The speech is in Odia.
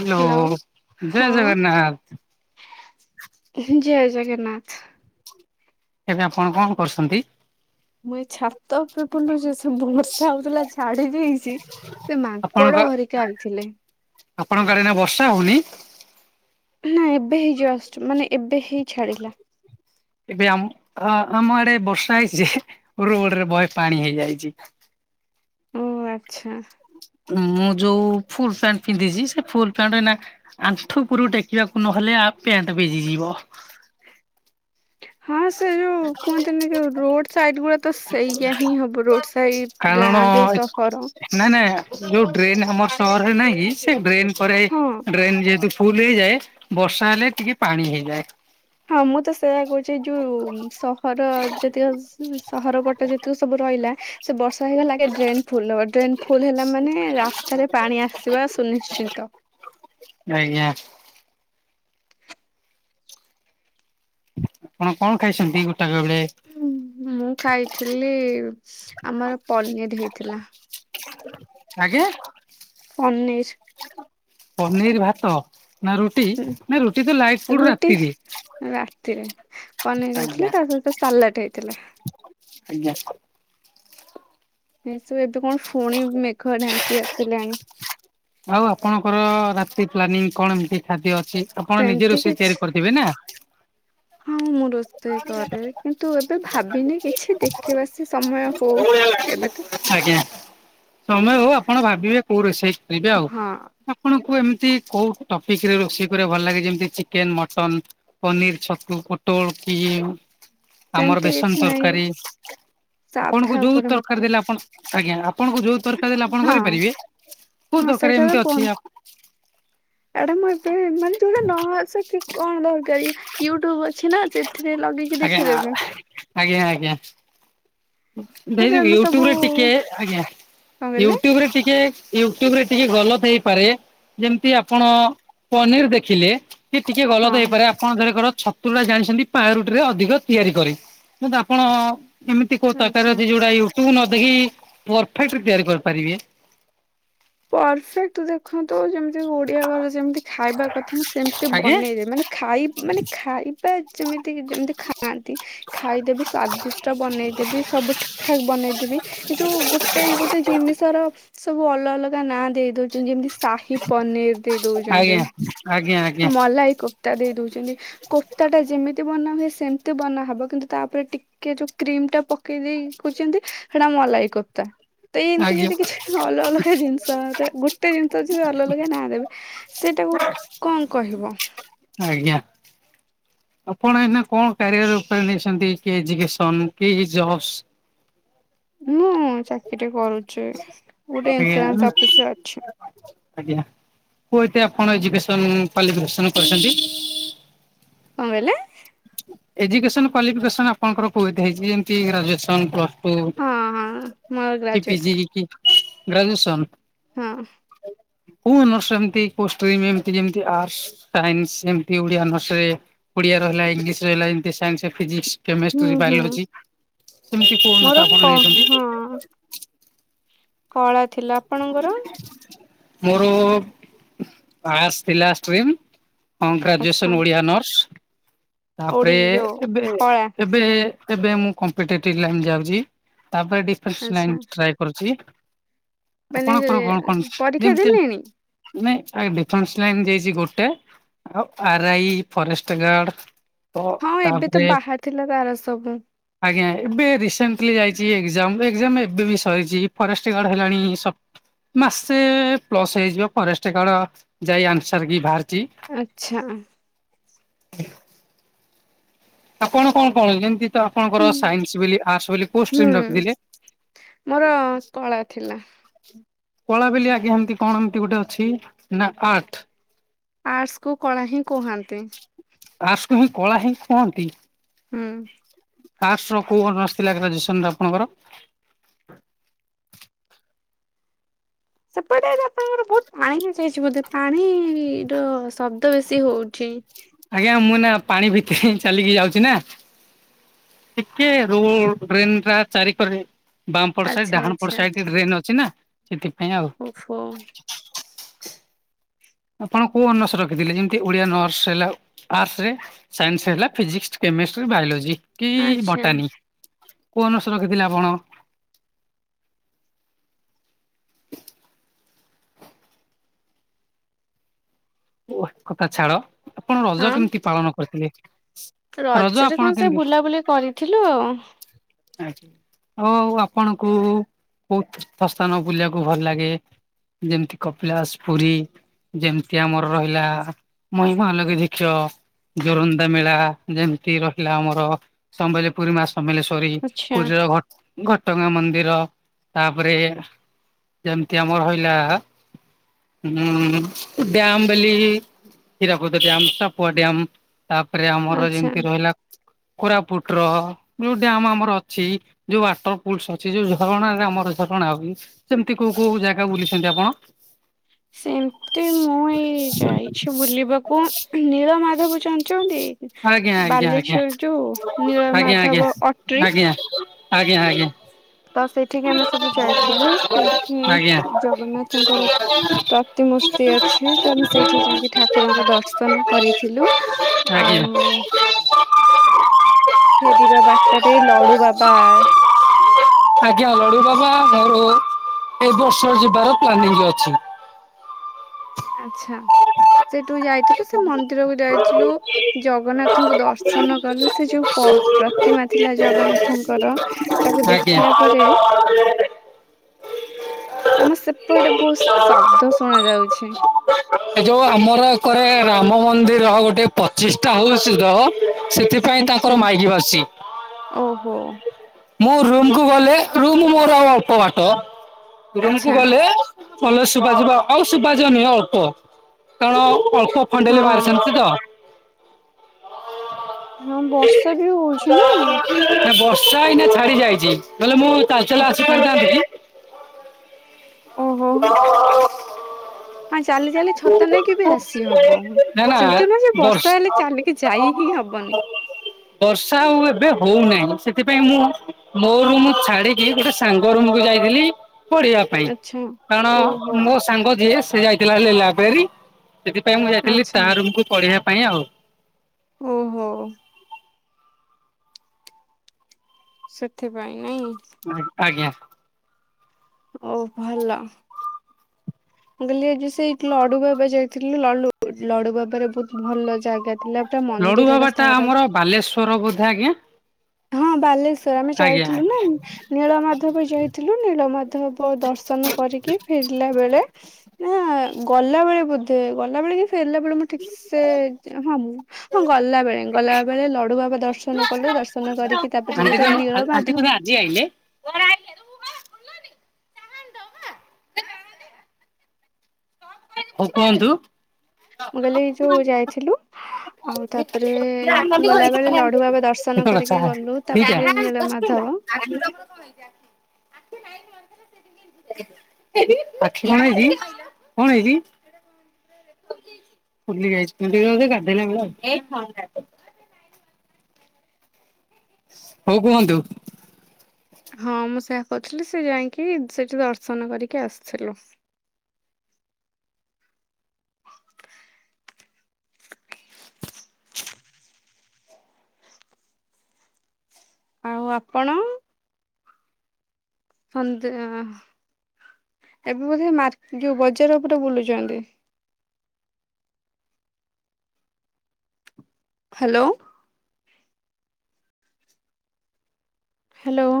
ହାଲୋ ହ୍ୟାଲୋ ଜୟ ଜଗନ୍ନାଥ୍। ଉହୁଁ ଜୟଜଗନ୍ନାଥ୍। ଏବେ ଆପଣ କଣ କରୁସନ୍ତି? ମୁଁ ଏ ଛାତ ଉପରେ ବୁଲୁଚି ସେ ବ ବର୍ଷା ହଉଥିଲା ଛାଡି ଯାଇଚି। ସେ ଆପଣଙ୍କ ମାଙ୍କଡ ହରିକା ଆଇଥିଲେ। ଆପଣଙ୍କ ଆଡେ ଏଇନା ବର୍ଷା ହଉନି? ନା ଏବେ ହି ଜଷ୍ଟ୍ ମାନେ ଏବେ ହି ଛାଡିଲା। ଏବେ ଆମ ହଁ ଆମ ଆଡେ ବର୍ଷା ହେଇଚି ଯେ ରୋଡରେ ବହେ ପାଣି ହେଇଯାଇଚି। ଓ ଆଚ୍ଛା! ମୁଁ ଯୋଉ ଫୁଲ୍ ପ୍ୟାଣ୍ଟ ପିନ୍ଧିଛି ସେ ଫୁଲ୍ ପ୍ୟାଣ୍ଟ ନା ଆଣ୍ଠୁ ଉପୁରୁ ଟେକିବାକୁ ନହେଲେ ଆ ପ୍ୟାଣ୍ଟ ଭିଜିଯିବ। ହଁ ସେ ଯୋଉ କୁହନ୍ତିନି ଯୋଉ ରୋଡ୍ ସାଇଡ ଗୁଡା ତ ସେଇଆହିଁ ହବ। ରୋଡ ସାଇଡ କାରଣ ଗାଁ ଯୋଉ ସହର। ନାଇଁ ନାଇଁ ଯଉ ଡ୍ରେନ୍ ଆମ ସହରରେ ନାହିଁ କି ସେ ଡ୍ରେନ୍ ପରେ ହଁ। ଡ୍ରେନ୍ ଯେହେତୁ ଫୁଲ୍ ହେଇଯାଏ ବର୍ଷା ହେଲେ ଟିକେ ପାଣି ହେଇଯାଏ। ହଁ ମୁଁ ତ ସେୟା କହୁଚି। ସେ ଯୋଉ ସହର ଯେତିକ ସହର ପଟେ ଯେତିକ ସବୁ ରହିଲା ସେ ବର୍ଷା ହେଇଗଲେ ଆଗେ ଡ୍ରେନ ଫୁଲ ହବ। ଡ୍ରେନ ଫୁଲ ହେଲା ମାନେ ରାସ୍ତାରେ ପାଣି ଆସିବା ସୁନିଶ୍ଚିତ। ଆଜ୍ଞା। ଆପଣ କଣ ଖାଇସନ୍ତି ଗୋଟାକ ବେଳେ? ମୁଁ ଖାଇଥିଲି ଆମର ପନିର୍ ହେଇଥିଲା। ଆଜ୍ଞା? ପନିର୍ ପନିର୍ ଭାତ ନା ରୁଟି ଉଁ ନା ରୁଟି ତ ଲାଇଟ ଫୁଡ଼ ରୁଟି ରାତିରେ। ରାତିରେ ପନିର୍ ଦେଇଥିଲେ ତା ସହିତ ସାଲାଟ୍ ହେଇଥିଲା। [inaudible] ଏସୁ ଏବେ କଣ ଫୁଣି ମେଘ ଢାଙ୍କି ଆସିଲାଣି। ଆଉ ଆପଣଙ୍କର ରାତି ପ୍ଲାନିଂ କଣ ଏମିତି ଖାଦ୍ୟ ଅଛି, ଆପଣ ନିଜେ ସେମିତି ରୋଷେଇ କିଛି ତିଆରି କରିଦେବେ ନା। ହଁ ମୁଁ ରୋଷ୍ ଷେଇ କରେ କିନ୍ତୁ ଏବେ ଭାବିନି କିଛି ଦେଖିବା ସେ ସମୟ ହଉ। ଏବେ ତ ଆଜ୍ଞା ସମୟ ହଉ ଆପଣ ଭାବିବେ କୋଉ ରୋଷେଇ କରିବେ ଆଉ। ହଁ ଆପଣଙ୍କୁ ଏମିତି କୋଉ ଟପିକ୍ ରେ ରୋଷେଇ କରିବାକୁ ଭଲ ଲାଗେ। ଯେମିତି ଚିକେନ, ମଟନ ପନିର ଛତୁ ପୋଟଳ କି ଆମର ସେମିତି ବେସନ କିଛି ନାହିଁ ତରକାରି। ଆପଣଙ୍କୁ ସାଧା ଯୋଉ ଉପରେ ମତେ ତରକାରୀ ଦେଲେ ଆପଣ ଆଜ୍ଞା ଆପଣଙ୍କୁ ଯୋଉ ତରକାରୀ ଦେଲେ ଆପଣ ହଁ କରିପାରିବେ? କୋଉ ହଁ ତରକାରୀ ଏମିତି ଅଛି ଆପ୍ ଏଟା ମୁଁ ଏବେ ମାନେ ଯୋଉରା ନ ଆସେ କି କଣ ଦରକାରି ୟୁଟୁବ୍ ଅ ଛିନା ସେଥିରେ ଲଗେଇକି ଆଜ୍ଞା ଦେଖିଦେବି। ଆଜ୍ଞା ଆଜ୍ଞା। [unintelligible] ବି ତାପରେ ଆମେ ସବୁ ୟୁଟ୍ୟୁବରେ ଟିକେ ଆଜ୍ଞା କଣ କହିଲେ ୟୁଟ୍ୟୁବରେ ଟିକେ ୟୁଟ୍ୟୁବରେ ଟିକେ ଗଲତ୍ ହେଇପାରେ। ଯେମିତି ଆପଣ ପନିର ଦେଖିଲେ ସେଏ ଟିକେ ଗଲତ ହଁ ହେଇପାରେ ଆପଣ ଧରକର ଛୁଟୁ ଟା ଜାଣିଛନ୍ତି ପାାରୁଟି ରେ ଅଧିକ ତିଆରି କରେ ବୁ ଆପଣ ଏମିତି କୋଉ ତରକାର ଆଚ୍ଛା। ଅଛି ଯୋଉଟାକି ତୁ ନଦଖି ପରଫେକ୍ଟ ତିଆରି କରିପାରିବେ। ପରଫେକ୍ଟ ଦେଖନ୍ତୁ ଯେମିତି ଓଡିଆ ଘରେ ଯେମିତି ଖାଇବା କଥା ମୁଁ ସେମତି ଆଜ୍ଞା ବନେଇବ। ମାନେ ଖାଇ ମାନେ ଖାଇବା ଯେମିତି ଯେମିତି ଖାଆନ୍ତି। ଖାଇଦେବି ସ୍ଵାଦିଷ୍ଟ ବନେଇଦେବି ସବୁ ଠିକ ଠାକ ବନେଇଦେବି। ଏ ଯୋଉ ଗୋଟେ ଗୋଟେ ଜିନିଷ ର ସବୁ ଅଲ ଅଲଗା ନାଁ ଦେଇ ଦଉଛନ୍ତି ଯେମିତି ସାହି ପନିର ଦେଇ ଦଉଛନ୍ତି। ଆଜ୍ଞା ଆଜ୍ଞା ଆଜ୍ଞା। ମଲାଇ କୋ୍ତା ଦେଇ ଦଉଛନ୍ତି। କୋତା ଟା ଯେମିତି ବନା ହୁଏ ସେମତି ବନା ହବ କିନ୍ତୁ ତା ଉପରେ ଟୀ କି ଯୋଉ କ୍ରିମ ଟା ପକେଇ ଦେଇଛନ୍ତି ସେଟା ମଲାଇ କତା ତ ଏଇ ଏମିତି ଆଜ୍ଞା ଯଦି କିଛି ତା ଅଲଗ ଅଲଗା ଜିନିଷ ଗୋଟେ ଜିନିଷ ଅଛି ଅଲଗା ଅଲଗା ନାଁ ଦେବେ। ସେଇଟାକୁ କଣ କହିବ। ଆଜ୍ଞା। ଆପଣ ଏଇନା କଣ କ୍ୟାରିଅରରେ ନେଇଛନ୍ତି କି ଏଜୁକସନ କି ଜବସ ମୁଁ ଚାକିରି କରୁଛି। ଗୋଟେ ସେ ଇନ୍ସୁରାନ୍ସ ଅଫିସରେ ଆଜ୍ଞା ଅଛି। କୁ ଏତ ଆପଣ ଏଜୁକେସନ କ୍ଯୁ୍ୱାଲିଫିକେସନ କ ରିଛନ୍ତି? କଣ କହିଲେ? ଏଜୁକସନ କ୍ୱାଲିଫିକେସନ ଆପଣଙ୍କର କୋଠି ହେଇଛି ଯେମିତି ଗ୍ରାଜୁଏସନ ଓ ହଁ ହଁ ମୋର ପି ଗ୍ରାଜୁଏସନ ଜି କି ଗ୍ରାଜୁଏସନ୍? ହଁ [unintelligible] କୋଉ ଅନର୍ସ ଯେମିତି କୋଉ ସ୍ତ୍ରିମି ରଖିଛନ୍ତି ଆର୍ସଟ୍, ସାଇନ୍ସ, କମର୍ସ ଓଡ଼ିଆ ଅର୍ନସରେ ଓଡିଆ ରହିଲା ଇଂଲିଶ ରହିଲ ଏମିତି ସାଇନ୍ସ ଫିଜିକ୍ସ ହୁଁ କେମିଷ୍ଟ୍ରି ହୁଁ। ବାୟୋଲୋଜି ଏମିତି କଣତା ମୋର ଆପଣ କ ନେଇଛନ୍ତି? ହଁ କଳା ଥିଲା ଆପଣଙ୍କର? ମୋର ପାସ୍ ଥିଲା ଷ୍ଟ୍ରିମ ଗ୍ରାଜୁଏସନ ଆଚ୍ଛା ଥିଲା ଓଡ଼ିଆ ଅର୍ନସ୍। ତାପରେ ଓଡି ଯୋଉ କଳା ଏବେ ଏ ଏବେ ମୁଁ କମ୍ପିେଟିଭ ଲାଇନ୍ ଯାଉଛି ତାପରେ ଡିଫେନ୍ସ ଆଚ୍ଛା। ଲାଇନ ଟ୍ରାଏ କରୁଛି ମାନେ ଆପଣଙ୍କର କଣ କଣ ପରୀକ୍ଷା ଯେମିତି ଦେଲେଣି? ମାନେ ଆ ଡିଫେନ୍ସ ଲାଇନ୍ ଯାଇଛି ଗୋଟେ ଆଉ ଆର ଆଇ ଫରେଷ୍ଟ ଗାର୍ଡ ତ ହଁ ଏବେ ତ ତାପରେ ବାହାର ଥିଲା ତାର ସବୁ। ଆଜ୍ଞା ଏବେ ରିସେଣ୍ଟଲି ଯାଇଛି ଏକ୍ଜାମ ଏଜାମ ଏବେ ବି ସରିଛି ଫରେଷ୍ଟ ଗାର୍ଡ ହେଲାଣି ସ ମାସେ ପ୍ଲସ ହେଇଯିବ ଫରେଷ୍ଟ୍ ଗାର୍ଡ ଯାଇ ଆନ୍ସର କି ବାହାରିଛି। ଆଚ୍ଛା ଆପଣ କଣ କଣ ଯେମିତି ତ ଆପଣଙ୍କର ସାଇନ୍ସ ବୋଲି ଆର୍ଟସ ବୋଲି କୋଉ ଷ୍ଟିମ ହୁଁ ରଖିଥିଲେ? ମୋର କଳା ଥିଲା। କଳା ବଲି ଆଜ୍ଞା ଏମତି କଣ ଏମତି ଗୋଟେ ଅଛି ନା ଆଠ। ଆର୍ଟସ୍ କୁ କଳା ହିଁ କୁହନ୍ତି? ଆାର୍ସକୁ ହି କଳା ହେି କୁହନ୍ତି। ହୁଁ। ଆର୍ଟ୍ସ ର କୋଉ ଅନର୍ସ ଥିଲା ଗାଜୁଏସନ୍ ରେ ଆପଣଙ୍କର? ସେପଟେ ଆପଣଙ୍କ ଗୋଟେ ବହୁତ ମାଣି ମିସେଇଛି ବୋଧେ। ପାଣି ଇର ଶବ୍ଦ ବେଶୀ ହୋଉଚି। ଆଜ୍ଞା ମୁଁ ଏଇନା ପାଣି ଭିତରେ ଚାଲିକି ଯାଉଚି ନା। ଟିକେ ରୋଡ ଡ୍ରେନ ଟା ଚାରି ପାଗେ। ବାମପଡ ସାଇଡି ଆଚ୍ଛା ଡାହାଣ ଆଚ୍ଛା ସାଇଡ ଡ୍ରେନ ଅଛିନା ସେଥିପାଇଁ ଆଉ। ଫୋ ଆପଣ କୋଉ ଅନର୍ସ ରଖିଥିଲେ? ଯେମତି ଓଡିଆ ନର୍ସ ହେଲା ଆର୍ଟସ୍ ରେ। ସାଇନ୍ସ ହେଲା ଫିଜିକ୍ସ, କେମିଷ୍ଟ୍ରି, ବାୟୋଲୋଜି। କି ଆଚ୍ଛା ବଟାନୀ କୋଉ ଅନର୍ସ ରଖିଥିଲେ ଆପଣ? ଓ ଏକ କଥା ଛାଡ ଆପଣ ରଜ ହଁ। କେମିତି ପାଳନ କରିଥିଲେ? ରଜ ରଜରେ ଆପଣ କଣ ସେ କେମିତି ବୁଲାବୁଲି କରିଥିଲୁ ଆଉ। ଆା ଆଉ ଆପଣଙ୍କୁ କୋଉ ତୀର୍ଥ ସ୍ଥାନ ବୁଲିବାକୁ ଭଲ ଲାଗେ? ଯେମିତି କପିଳାଶ, ପୁରୀ? ଯେମିତି ଆମର ରହିଲା ମହିମାଲୋଖ ଧୀକ୍ଷ। ଜୋରନ୍ଦା ମେଳା ଯେମିତି ରହିଲା ଆମର ସମ୍ଭଲି ପୁରୀମା ସମ୍ବଳେଶ୍ୱରୀ। ଆଚ୍ଛା ପୁରୀର ଘଟ ଘଟଗାଁ ମନ୍ଦିର। ତାପରେ ଯେମତି ଆମର ହଇଲା ହୁଁ ଡ୍ୟାମ ବେଲି ହୀରାକୁଦ ଡ୍ୟାମ, ସାପୁଆ ଡ୍ୟାମ। ତାପରେ ଆମର ଆଚ୍ଛା। ଯେମତି ରହିଲା କୋରାପୁଟର ଯୋଉ ଡ୍ୟାମ୍ ଆମର ଅଛି ଯୋଉ ୱାଟର ପୁଲସ ଅଛି, ଯୋଉ ଝରଣ ରେ ଆମର ଝରଣା ଉଁ। ସେମତି କୋଉ କୋଉ ଜାଗା ବୁଲିଛନ୍ତି ଆପଣ? ସେମତି ମୁଁ ଏଇ କି ଯାଇଛି ବୁଲିବାକୁ ନୀଳ ମାଧବ ଚାଞ୍ଚନ୍ତି? ଆଜ୍ଞା ଆଜ୍ଞା ଆଜ୍ଞା ବାଲେଶ୍ଵର ଯୋଉ ନୀଳ ଆଜ୍ଞା ମାଧବ ଆଜ୍ଞା ଅଟ୍ରି। ଆଜ୍ଞା ଆଜ୍ଞା ଆଜ୍ଞା। ତ ସେଇଠିକି ଆମେ ସବୁ ଯାଇଥିଲୁ। ସେଇଠି ଆଜ୍ଞା ଜଗନ୍ନାଥଙ୍କର ଭୋ ପ୍ରତିମୂର୍ତ୍ତି ଅଛି ତ ଆମେ ସେଇଠି ଯାଇକି ଠାକୁରଙ୍କୁ ଦର୍ଶନ କରିଥିଲୁ। ଆଉ ଆଜ୍ଞା ଫେରିବା ବାଟରେ ଲଡୁ ବାବା [inaudible] ଆଜ୍ଞା ଲଡୁ ବାବା ଆଉ ମୋର ଏଇ ବର୍ଷ ଯିବାର ପ୍ଲାନିଂ ଅଛି। ଆଛା ସେଇଠୁ ଯାଇଥିଲୁ ସେ ମନ୍ଦିରକୁ ଯାଇଥିଲୁ। ଜଗନ୍ନାଥଙ୍କୁ ଦର୍ଶନ କଲୁ ସେ ଯୋଉ ପର ପ୍ରତିମା ଥିଲା ଜଗନ୍ନାଥ ଙ୍କର। ତାକୁ ଦେଖିଲା ପରେ ଆଜ୍ଞା। ତମର ସେପଟଟେ ବହୁତ ଶବ୍ଦ ଶୁଣ ଯାଉଛି। ଏ ଯୋଉ ଆମର ଏ କରେ ରାମ ମନ୍ଦିର ଗୋଟେ ପଚିଷ୍ଟା ହୋଉଚି ତ। ସେଥି ପାଇଁ ତାଙ୍କର ଆଚ୍ଛା ମାଇଗି ବାସଚି। ଓହୋ ମୁଁ ରୁମ କୁ ଗଲେ ରୁମ ମୋର ଆଉ ଅଳ୍ପ ବାଟ। ରୁମ କୁ ଆଚ୍ଛା ଗଲେ କଲେ ଶୁଵାଯିବା ହୋଉ ଶୁପାଯାଉନି ଓ କୁହ। କାରଣ ଅଳ୍ପ ଫଣ୍ଡେଲ ହଁ ମାର ସାରଚି ତ। ହଁ ବର୍ଷା ବି ହୋଉଚି ନା। ବର୍ଷା ଏଇନା ଛାଡି ଯାଇଚି ନହେଲେ ମୁଁ ତାଚେଲା ଚାଲ ଆସି ଆଚ୍ଛା ପାରିଥାନ୍ତି କି? ଓହୋ। ହଁ ଚାଲି ଚାଲି ଛତା ନେଇକି ବି ଆସି ହବ। ନା ନା ସେମିତି ନୁହଁ ଯେ ବର୍ଷ ବର୍ଷା ହେଲେ ଚାଲିକି ଯାଇ ହିଁ ହବନି। ବର୍ଷା ଆଉ ଏବେ ହଉନାହିଁ ସେଥିପାଇଁ ମୁଁ ମୋ ରୁମ୍ ଛାଡିକି ଗୋଟେ ସାଙ୍ଗ ରୁମକୁ ଯାଇଥିଲି। ପଢିବା ପାଇଁ ଆଚ୍ଛା। ଓହୋ କାରଣ ମୋ ସାଙ୍ଗ ଯିଏ ସେ ଯାଇଥିଲା ବେଲି ଲାଇବ୍ରେରୀ ସେଥିପାଇଁ ମୁଁ ଯାଇଥିଲି ଆଚ୍ଛା ତା ରୁମକୁୁ ପଢିବା ପାଇଁ ଆଉ। ଓହୋ। ସେଥିପାଇଁ ନାଇଁ ଆଜ୍ଞା। ଓ ଭଲ। ମୁଁ କହିଲି ଆଜି ସେଇ ଲଡୁବାବା ଯାଇଥିଲି ଲଡୁ ଲଡୁବାବାରେ ବହୁତ ଭଲ ଜାଗା ଥିଲା ପୋଟା ଲଡୁ ମନ୍ଦିର ବାବା ଟା ସ୍ାର [inaudible] ଆମର ବାଲେଶ୍ଵର ବୋଧେ ଆଜ୍ଞା। ହଁ ବାଲେଶ୍ଵର ଆମେ ଆଜ୍ଞା ଯାଇଥିଲୁ ନା ନୀଳ ମାଧବ ଯାଇଥିଲୁ ନୀଳ ମାଧବ ଦର୍ଶନ କରିକି ଫେରିଲା ବେଳେ ନା ଗଲାବେଳେ ବୋଧେ ଗଲାବେଳେ କି ଫେରିଲା ବେଳେ ମୁଁ ଠିକସେ ହଁ ମୁଁ ହଁ ଗଲାବେଳେ ଗଲାବେଳେ ଲଡୁ ବାବା ଦର୍ଶନ କଲୁ ଦର୍ଶନ କରିକି ତାପରେ ଯେତେବେଳେ ନୀଳ ମାଧବ ଜି ଆଇଲେ। ଦ କ [inaudible] ହଉ କୁହନ୍ତୁ? ମୁଁ କହିଲି ଏଇ ଯୋଉ ଯାଇଥିଲୁ ଆଉ ତାପରେ ଗଲା ବେଳେ ଲଢୁ ବାବା ଦର୍ଶ ଡଛ [inaudible] ଆଖି କଣହେଇଚି? କଣ ହେଇଛି? ହ ଫୁଲି ଯାଇଚି [unintelligible] କରଦ ନା ହଉ କୁହନ୍ତୁ? ହଁ ମୁଁ ସେଇଆ କହୁଥିଲି ସେ ଯାଇକି ସେଠି ଦର୍ଶନ କରିକି ଆସିଥିଲୁ। ହତ ଆଉ ଆପଣ? ସନ୍ଧ୍ୟା ଏବେ ବୋଧେ ମାର୍କେ ଯଉ ବଜାର ଉପରେ ବୁଲୁଛନ୍ତି? Hello, hello.